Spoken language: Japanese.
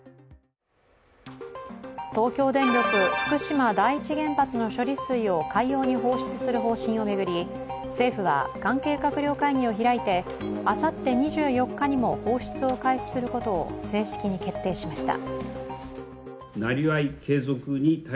東京電力・福島第一原発の処理水を海洋に放出する方針を巡り政府は関係閣僚会議を開いてあさって２４日にも放出を開始することを正式に決定しました。